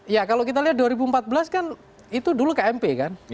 ya kalau kita lihat dua ribu empat belas kan itu dulu kmp kan